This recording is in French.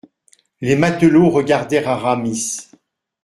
Les matelots regardèrent Aramis.